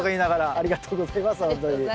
ありがとうございます。